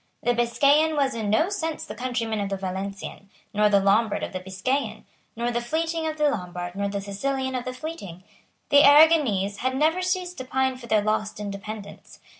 The Biscayan was in no sense the countryman of the Valencian, nor the Lombard of the Biscayan, nor the Fleeting of the Lombard, nor the Sicilian of the Fleeting. The Arragonese had never ceased to pine for their lost independence.